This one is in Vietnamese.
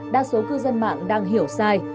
đa số cư dân mạng đang hiểu sai